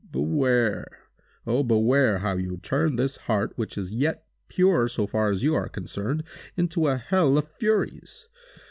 Beware—oh! beware how you turn this heart, which is yet pure, so far as you are concerned, into a hell of furies!